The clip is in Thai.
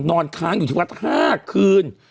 นอนค้างอยู่ที่วัด๕คืน